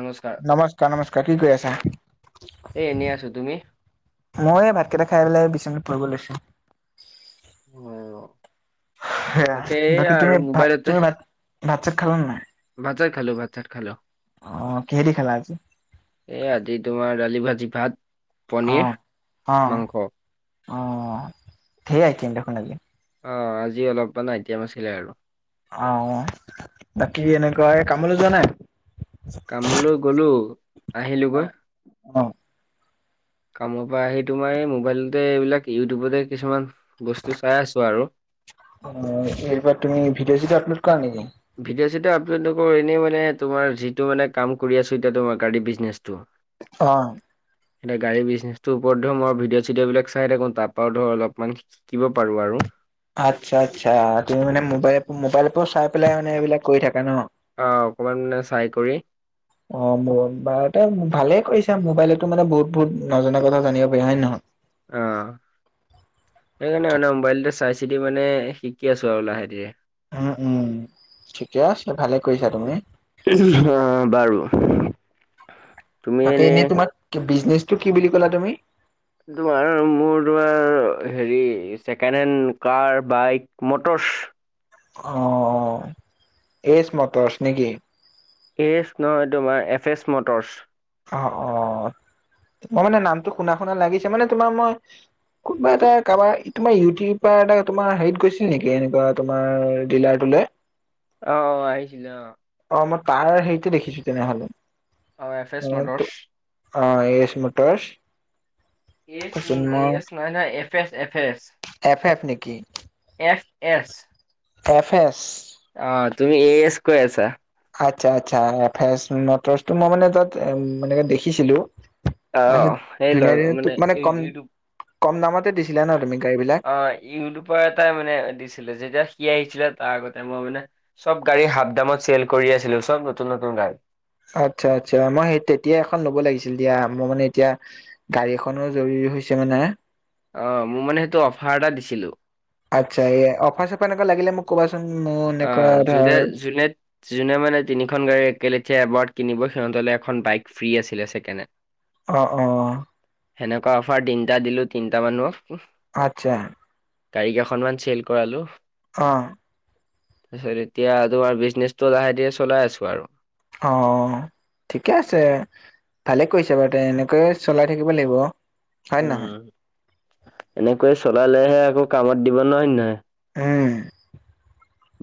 নমস্কাৰ, নমস্কাৰ নমস্কাৰ, কি কৰি আছা? এই এনেই আছো তুমি? মই এই ভাতকেইটা খাই পেলাই বিচনাত পৰিব লৈছো। অ', সেৰা তাকে এইয়া বাকী আৰু তুমি ভ মোবাইলতে তুমি ভাত- ভাত চাত খালানে নাই? ভাত চাত খালো, ভাত চাত খালো। অঁ কিহেদি খালা আজি? এ আজি তোমাৰ দালি ভাজি ভাত। পনিৰ অঁ অঁ মাংস। অঁ' ধেই আইটেম দেখোন আজি। অঁ' আজি অলপমান আইটেম আছিলে আৰু। অঁ বাকী এনেকুৱা এই কামলৈ যোৱা নাই? কামলৈ গ'লোঁ আহিলোঁগৈ। অ' অ', কাম পৰা আহি তোমাৰ এই মোবাইলতে এইবিলাক ইউটিউবতে কিছুমান বস্তু চাই আছো আৰু। অ‍ঁ এই কিবা তুমি ভিডঅ' চিডিঅ আপলোড কৰা নেকি? ভিডিঅ' চিডঅ' আপলোড নকৰো এনেই মানে তোমাৰ যিটো মানে কাম কৰি আছো এতিয়া তোমাৰ গাড়ী বিজনেছটো। অ। এতিয়া গাড়ী বিজনেছ টোৰ ওপৰত ধৰ মই ভিডঅ চিঅ'বিলাক চাই থাকো তাৰ পৰা ধৰা অলপমান শিকিব পাৰো আৰু। আচ্ছা আচ্ছা তুমি মানে মোবাইল মোবাইল পৰা চাই পেলাই মানে এইবিলাক কৰি থাকা ন। অ অকমান মানে চাই কৰি অ মোৰ বাৰু ত ভালে কৰিছা মোবাইলতো মানে বহুত বহুত নজনা কথা জানিব পাৰি হয় নে নহয়? অঁ, সেইকাৰণে মানে মোবাইলতে চাই চিতি মানে শিকি আছোঁ আৰু লাহেধিৰে। উম উম ঠিকে আছে ভালে কৰিছা তুমি। অ বাৰু। বাকী এনে তোমাৰ বিজনেচটো কি বুলি ক'লা তুমি? তোমাৰ মোৰ তোমাৰ হেৰি second hand car bike motors. অ অ এইজ মটৰচ নেকি? এইচ নহয় তোমাৰ এফ এছ মটৰচ। অ অ মই মানে নামটো শুনা শুনা লাগিছে মানে তোমাৰ মই কোনোবা এটা কাৰোবাৰ তোমাৰ ইউটিউবাৰ এ তোমাৰ হেৰিত গৈছিল নেকি এনেকুৱা তোমাৰ ডিলাৰটোলৈ। অ অ আহিছিলে অ। অ মই তাৰ হেৰিতে দেখিছো তেনেহলে। অ', এফ এছ মটৰছ। অ এইছ মটৰচ। এই চ এ এচ নাই নহয় F S F S. F F নেকি? F S. F S. অ তুমি এ এছ কৈ আছা। আচ্ছা আচ্ছা এফ মটৰচটো মই মানে তাত এনে দেখিছিলো। অ', সেই ধুনীয়া লগ ধুনীয়া তোক মানে কম ইউটিউব কম দামতে দিছিলা ন তুমি গাড়ীবিলাক। অ ইউটিউবাৰ এটাই মানে দিছিলে যেতিয়া সি আহিছিলে তাৰ আগতে মই মানে চব গাড়ী হাফদামত চেল কৰি আছিলো চব নতুন নতুন গাৰি। আচ্ছা আচ্ছা মই সেই তেতিয়া এখন ল'ব লাগিছিল দিয়া মই মানে এতিয়া গাড়ী এখনো জৰুৰী হৈছে মানে। অ মোৰ মানে সেইটো অফাৰ এটা দিছিলো। আচ্ছা এই অফাৰ চফাৰ এনেকুৱা লাগিলে মোক কবাচোন মোৰ এনেকুৱা ধৰ জুনে যোনে মানে তিনিখন গাড়ী একেলেঠীয়া এবাৰ কিনিব সিহঁতলে এখন বাইক ফ্ৰী আছিলে ছেকেণ্ড হেন। অ অ। হেনেকুৱা অফাৰ তিনিটা দিলো তিনটা মানুহক। আচ্ছা। গাড়ী কেইখনমান চেল কৰালো। অ। তাৰপিছত এতিয়া তোমাৰ বিজনেচ টো লাহে ধীৰে চলাই আছো আৰু। অ অ ঠিকে আছে। ভালে কৰিছে বাৰু তে এনেকৈয় চলাই থাকিব লাগিব, হয় নহয়? উম এনেকৈ চলালেহে আকৌ কামত দিব নহয় ন নহয়। উম।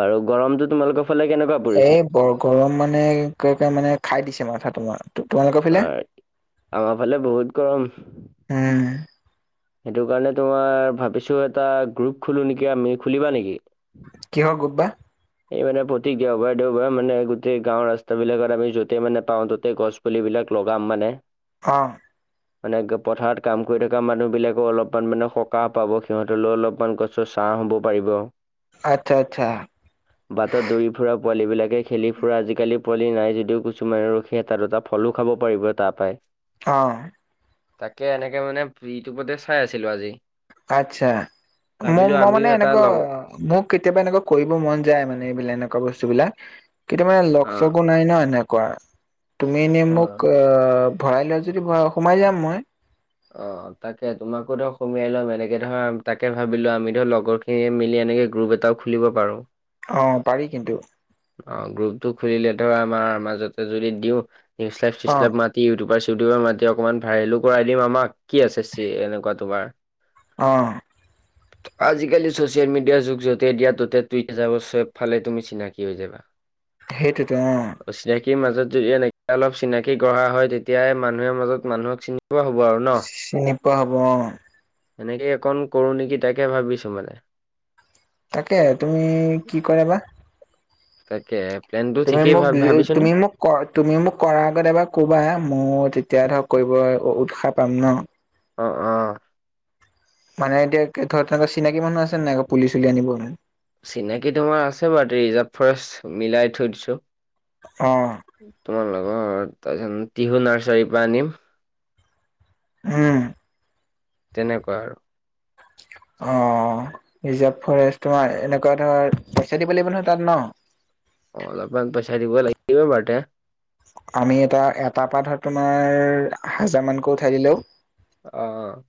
বাৰু গৰমতো তোমালোকৰ ফালে কেনেকুৱা? পৰিছে? এই বৰ গৰম মানে, [unintelligible] মানে খাই দিছে মাথা তোমাৰ। তোমালোকৰ ফালে [unintelligible] আমাৰ ফালে বহুত গৰম। উম। সেইটো কাৰণে তোমাৰ ভাবিছো এটা গ্ৰুপ খোলো নেকি আমি, খুলিবা নেকি? কিহৰ গ্ৰুপ বা? এই মানে প্ৰতি দেওবাৰে দেওবাৰে মানে গোটেই গাঁৱৰ ৰাস্তাবিলাকত বিলাকত আমি য'তেই মানে পাওঁ ততে গছ পুলিবিলাক লগাম মানে। অ'। মানে পথাৰত কাম কৰি থকা মানুহ বিলাকো অলপমান মানে সকাহ পাব সিহঁতলৈও অলপমান গছ ছাহ হ'ব পাৰিব। আচ্ছা আচ্ছা। বাটত দৌৰি ফুৰা পোৱালী বিলাকে খেলি ফুৰা আজিকালি পোৱালি নাই যদিও কিছুমান ৰ এটা দুটা ফলো খাব পাৰিব তাৰ পৰাই। অ'। তাকে এনেকে মানে ইউটোবতে চাই আছিলো আজি। আচ্ছা, ভাবিলো ম-মই মানে আমিও এটা এনেকুৱা লগ মোক কেতিয়াবা এনেকুৱা কৰিব মন যায় মানে এইবিলাক এনেকুৱা বস্তু বিলা, কেতিয়া মানে লগ অ চগ নাই ন এনেকুৱা, তুমি এনেই মোক অ', ভৰাই লোৱা যদি সোমাই যাম মই। অ'। তাকে তোমাকো ধৰক সোমিয়াই লম এনেকে ধৰা তাকে ভাবিলো, আমিতো লগৰ খিনিয়ে মিলি এনেকে গ্ৰুপ এটা খুলিব পাৰোঁ। অ', পাৰি কিন্তু। অ', গ্ৰুপটো খুলিলে ধৰা আমাৰ মাজতে যদি দিওঁ, নিউজ লাইফ অ [unintelligible] ইউটোউবাৰ চিউটোবাৰ মাতি অকণমান ভাইৰেলো কৰাই দিম আমাক, কি আছে চি এনেকুৱা তোমাৰ অ'। আজিকালি চচিয়েল মিডিয়াৰ যুগ, য'তে দিয়া ত'তে টুইট যাব চব ফালে তুমি চিনাক কি হৈ যাবা। সেইটোৱেতো অ'। অচিনাকিৰ মাজত যদি এনেকে অলপ চিনাকি গঢ়া হয়, তেতিয়াই মানুহে মাজত মানুহক চিনি পোৱা হ'ব আৰু ন? চিনি পোৱা হ'ব অ এনেকেই অকণ কৰো নেকি তাকে ভাবিছো মানে। তাকে, তুমি কি কৰে বা? তাকে, প্লেনটো তুমি ঠিকেই মোক ভা-ভাবিছোঁ নে? তুমি মোক তুমি মোক কৰাৰ আগত এবাৰ কবা মোৰ তেতিয়া ধৰ কৰিব উৎসাহ পাম ন। অ', অ'। মানে এতিয়া ধৰ তেনেকু চিনাকি মানুহ আছে নে আকৌ পুলি চুলি আনিব কাৰণে? চিনাকি তোমাৰ আছে বাৰু ৰিজাৰ্ভ ফৰেষ্ট মিলাই থৈ দিছো। অ'। তোমাৰ লগৰ তাৰপিছত টিহু নাৰ্চাৰীৰ পৰা আনিম। উম। তেনেকুৱা আৰু। অ', ৰিজাৰ্ভ ফৰেষ্ট তোমাৰ এনেকুৱা ধৰ, পইচা দিব লাগিব নহয় তাত ন? অ, অলপমান পইচা দিব লাগিব। [unintelligible] আমি এটা এটাৰ পাতত তোমাৰ হাজাৰ মানকৈ উঠাই দিলেও অ'।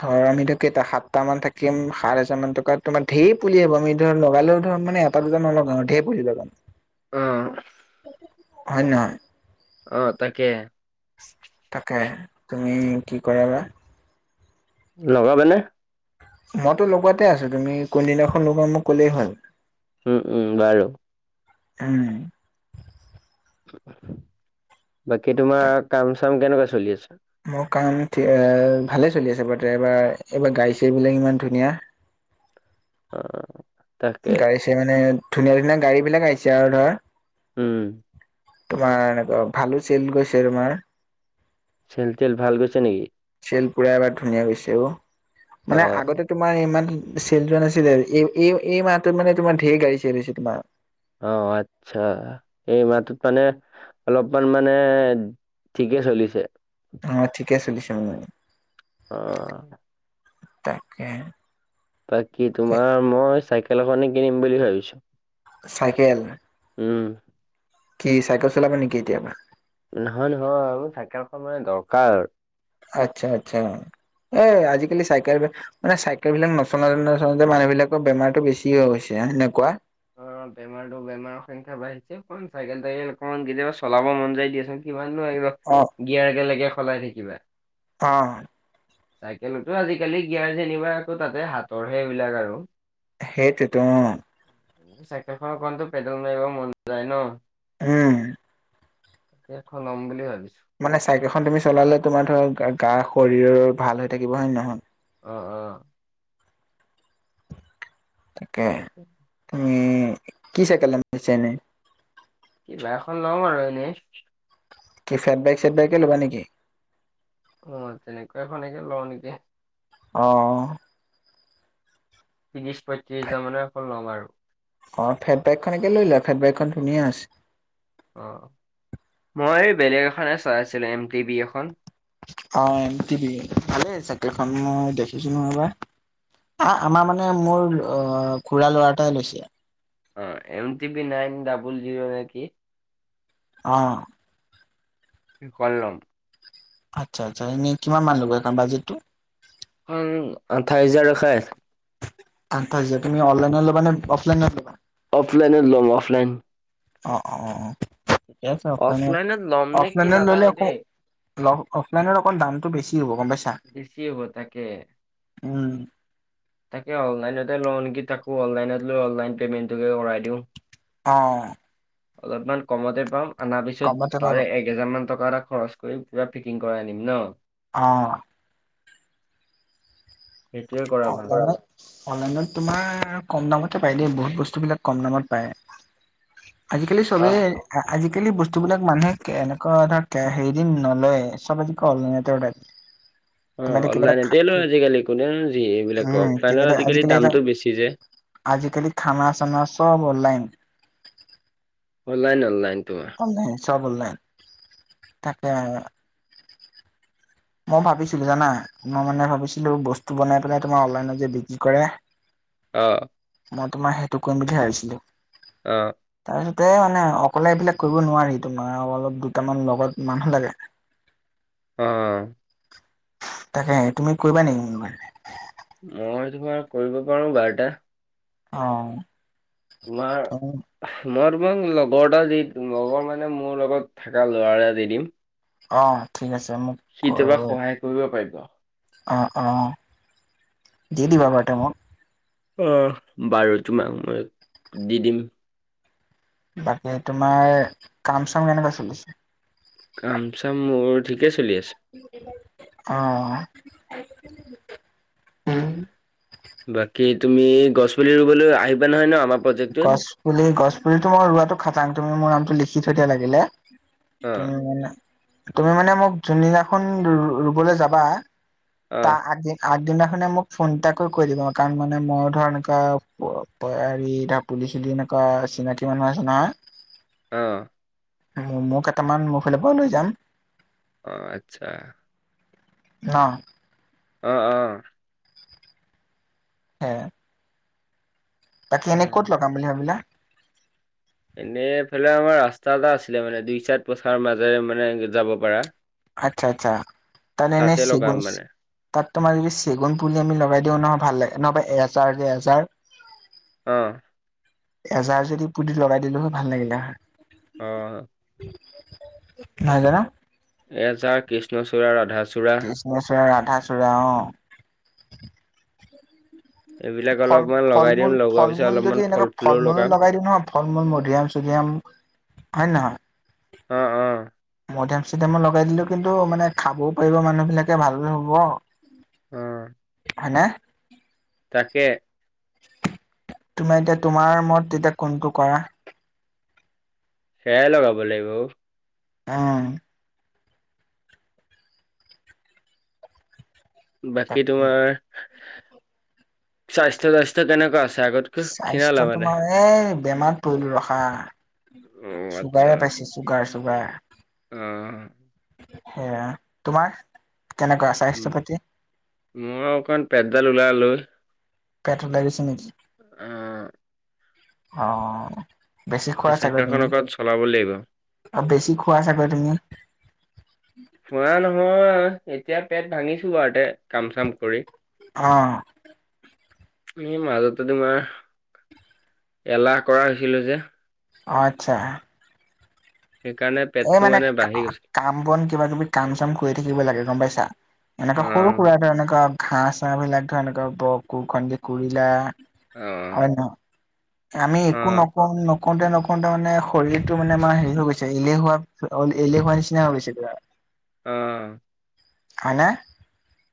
ধৰ আমি ধৰ কেইটা সাতটা মান থাকিম সাত হাজাৰ মান টকা তোমাৰ ধেৰ পুলি আহিব আমি ধৰ লগালেও ধৰ মানে তাত [unintelligible] অ‍ঁ হয় নহয়। অ তাকে। তাকে তুমি কি কৰা বা। লবাগে নে? মইতো লগোৱাতে আছো তুমি কোনদিনাখন লগোৱা মোক ক'লেই হ'ল। উম উম বাৰু। উম বাকী তাক তোমাৰ কাম চাম কেনেকুৱা চলি আছে? মোৰ কাম ভালে চলি আছে বৰ্তমান ৰ'বা এইবাৰগাড়ী চাড়ী বোলে ইমান ধুনীয়া। অ তাকে গাড়ী চাড়ী মানে ধুনীয়া ধুনীয়া গাড়ী বিলাক আহিছে আৰু ধৰ। উম তোমাৰ এনেকুৱা ভালো চেল গৈছে তোমাৰ। চেল তেল ভাল গৈছে নেকি? চেল পুৰা এবাৰ ধুনীয়া গৈছে অ, অ মানে আগতে তোমাৰ ইমান চেল যোৱা নাছিলে আৰু এই এই মাহটোত মানে তোমাৰ ঢেৰ গাড়ী চেল হৈছে তোমাৰ। অ আচ্ছা এই মাহটোত মানে অলপমান মানে ঠিকে চলিছে। অ ঠিকে চলিছে মানে। অ তাকে। বাকী তোমাৰ মই চাইকেল এখনে কিনিম বুলি ভাবিছোঁ। চাইকেল উম কি চাইকেল চলাবা নেকি এতিয়াৰ পৰা? নহয় নহয় আৰু চাইকেল এখন মানে দৰকাৰ। আচ্ছা আচ্ছা এ আজিকালি চাইকেল মানে চাইকেল বিলাক নচলাই নচলাতে মানুহ বিলাকৰ বেমাৰতো বেছি হৈ গৈ হৈছে সেনেকুৱা। হয়ো দে বেমাৰটো বেমাৰ সংখ্যা বাঢ়িছে অকণ চাইকেল তাইকেল অকণমান কেতিয়াবা চলাব মন যায় দিয়াচোন কিমান নোৱাৰিব অহ গিয়াৰ একেলগে সলাই থাকিবা। অহ চাইকেলতো আজিকালি গিয়াৰ যেনিবা আকৌ তাতে হাতৰহে এইবিলাক আৰু। সেইটোৱেত অহ। চাইকেল খনৰ কণতো পেডেল মাৰিব মন যায় ন। উম সেই খন ল'ম বুলি ভাবিছোঁ। মানে চাইকেলখন তুমি চলালে তোমাৰ ধৰক গা শৰীৰৰ ভাল হৈ থাকিব হয় নে নহয়। অ অ তাকে তুমি কি চাইকেল লম ভাবিছাঁ এনে? কিবা এখন ল'ম আৰু এনেই। কি চেডবেক চেডবেকে ল'বা নেকি অ তেনেকুৱা এখনকে লওঁ নেকি অহ ত্ৰিশ পয়ত্ৰিশ হাজাৰ মানৰ এখন ল'ম আৰু অ ফেট বাইক খনকে লৈ লোৱা ফেট বাইকখন ধুনীয়া আছে অ মই বেলেগ এখনে চাই আছিলো এম টি বি এখন অ এম টি বি ভালেই চাইকেলখন মই দেখিছোঁ নহয় এবাৰ আ আমাৰ মানে মোৰ অ খুৰাৰ ল'ৰা এটাই লৈছে। অ M T B nine double zero নে কি? অ তেনেকুৱা লম আচ্ছা আচ্ছা এনে কিমান মান ল'ব সেইখন বাজেটটো সেইখন আঠাইছ হাজাৰ দেখাই আছে। আঠাইছ হাজাৰ তুমি অনলাইনত ল'বা নে অফলাইনত লবা অফলাইনত লম অফলাইন অ অ অ অ ঠিকে আছে অফলাইনত ল'ম নে কি অফলাইনত ললে নাজানো আকৌ দেই লক অফলাইনত অকণ দামটো বেছি হ'ব গম পাইছা বেছি হ'ব তাকে উম তাকে অনলাইনতে লওঁ নেকি তাকো অনলাইনত লৈ অনলাইন পেমেন্টোকে কৰাই দিওঁ অঁ অলপমান কমতে পাম আনাৰ পিছত কমতে পাবা তাৰে এক কেইহাজাৰমান টকা এটা খৰচ কৰি পোৰা পেকিং কৰাই আনিম ন অঁ সেইটোৱে কৰা ভাল অনলাইনত অনলাইনত তোমাৰ কম দামতে পায় দেই বহুত বস্তুবিলাক কম দামত পায় আজিকালি অহ চবেই আজিকালি বস্তুবিলাক মানুহে কেনেকুৱা [unintelligible] হেৰি দিন নলয় চব আজিকালি অনলাইনতে অৰ্ডাৰ [inaudible] অ তোমাৰ এতিয়া কিবা এটা খা অনলাইনতে লয় আজিকালি কোনেনো যি এইবিলাক উম কিবা অফলাইনত এটা আজিকালি দামটো বেছি যে আজিকালি খানা চানা চব অনলাইন অনলাইন অনলাইনটো অনলাইন চব অনলাইন তাকে আৰু মই ভাবিছিলো জানা মই মানে ভাবিছিলো বস্তু বনাই পেলাই তোমাৰ অনলাইনত যে বিক্ৰী কৰে। অ মই তোমাৰ সেইটো কৰিম বুলি ভাবিছিলোঁ। অ তাৰপিছতে মানে অকলে এইবিলাক কৰিব নোৱাৰি তোমাৰ অলপ দুটামান লগত মানুহ লাগে। অ তাকে তুমি কৰিবা নেকি মোৰ লগত মই তোমাৰ কৰিব পাৰো বাৰটা অ তোমাৰ মই তোমাক লগৰ এটা দি লগৰ মানে মোৰ লগত থকা ল'ৰা এটা দি দিম অ ঠিক আছে মোক সি কেতিয়াবা সহায় কৰিব পাৰিব। অ', অ', দি দিবা বাৰু তেওঁ মোক। অ', বাৰু তোমাক মই দি দিম। বাকী তোমাৰ কাম চাম কেনেকুৱা চলিছে? কাম চাম মোৰ ঠিকেই চলি আছে। অহ। [inaudible] বাকী তুমি গছ পুলি ৰুবলৈ আহিবা নহয় ন' আমাৰ প্ৰজেক্টটোত গছপুলি গছপুলিটো মই ৰোৱাটো খাটাং তুমি মোৰ নামটো লিখি থৈ দিয়া লাগিলে। অ তুমি মানে তুমি মানে মোক যোনদিনাখন ৰু-ৰুবলৈ যাবা অ তাৰ আগে আগদিনাখনে মোক ফোনটাকৈ কৈ দিব কাৰণ মানে মই ধৰ এনেকুৱা ব-ব হেৰি। এতিয়া পুলি চুলি এনেকুৱা চিনাকি মানুহ আছে নহয়। অহ। মো-মোক কেইটামান মোৰ ফালৰ পৰা লৈ যাম। অহ, আচ্ছা। ন'। অহ, অহ। হে। বাকী অ এনে ক'ত লগাম বুলি ভাবিলা? এনেই এইফালে আমাৰ ৰাস্তা এটা আছিলে মানে দুই চাইট পথাৰৰ মাজেৰে মানে যাব পৰা। আচ্ছা, আচ্ছা, তাই এনেই শিগো লগাম মানে তাত তোমাৰ যদি চেগুন পুলি আমি লগাই দিওঁ নহয় ভাল লাগে নহবা এজাৰ যে এজাৰ। অহ। এজাৰ যদি পুলি লগাই দিলো হয় ভাল লাগিলে হয়। অহ। নাই যোৱা না। এজাৰ, কৃষ্ণচূড়া, ৰাধাচূড়া। কৃষ্ণচড়া, ৰাধাচূড়া অ'। এইবিলাক ফল অলপমান ফল লগাই দিম মূল লগোৱাৰ ফল পিছত মূল যদি অলপমান এনেকে ফল ফুলও মূলো লগাম লগাই দিওঁ ন'। ফল মূল মধুৰিআম চধুৰিআম হয় নে নহয়। অহ, অহ। মধুৰিআম চধুৰিআমও লগাই দিলো কিন্তু মানে খাবও পাৰিব মানুহবিলাকে ভাল হ'ব। উম। নে? তাকে। তোমাৰ এতিয়া তোমাৰ মত এতিয়া কোনটো কৰা। সেয়াই লগাব লাগিব। অহ। বাকী তাকে তোমাৰ স্বাস্থ্য, স্বাস্থ্য কেনেকুৱা আছে আগত কে ক্ষীণালা মানে। এ বেমাৰত পৰিলোঁ ৰখা অ চুগাৰে পাইছে, চুগাৰ চুগাৰ। অহ। সেয়া, তোমাৰ কেনেকুৱা আছে? উম, মই অকণ পেডডাল ওলাই ল'লোঁ। পেট‌ উলাই গৈছে নেকি? উম অহ বেছি অ খোৱা‌ চাগৈ চাইকেলখন তুমি? অকণ চলাব লাগিব অ বেছি খোৱা চাগৈ তুমি? খোৱা নহয় এতিয়া পেট ভাঙিছো বাৰুতে কাম চাম কৰি। অহ এই মাজতে তোমাৰ এলাহ কৰা হৈছিলোঁ যে। অহ আচ্ছা। সেইকাৰণে অ পেটটো মানে বাঢ়ি গৈছে কা-কাম বন কিবা তুমি কাম চাম কৰি থাকিব লাগে গম পাইছা? অ এনেকা সৰু সুৰা এটা এনেকা ঘাঁহ চাহ বিলাক ধৰা এনেকা ব ক খন্দি কৰিলা অ হয় নহয়? আমি অ একো নকওঁ নকোৰতে নকোৰতে মানে শৰীৰটো মানে আমাৰ হেৰি হৈ গৈছে। এলেহুৱা অ এলেহুৱা নিচিনা হৈ গৈছে আ। অ হয়নে?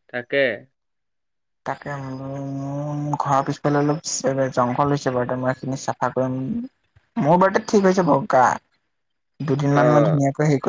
তাকে। তাকে মোৰ ঘৰৰ পিছফালে অলপ জংঘল হৈছে বাৰু মই সেইখিনি চাফা কৰিম মোৰ বাৰু এতিয়া ঠিক হৈছে বাৰু গা দুদিন মান অ মই ধুনীয়াকৈ হেৰি কৰি